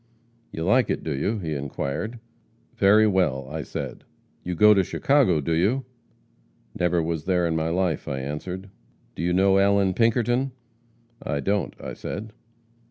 'You like it, do you?' he inquired. 'Very well,' I said. 'You go to Chicago, do you?' 'Never was there in my life,' I answered. 'Do you know Allan Pinkerton?' 'I don't,' I said.